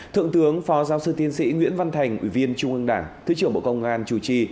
thượng tướng phó giáo sư tiến sĩ nguyễn văn thành ủy viên trung ương đảng thứ trưởng bộ công an chủ trì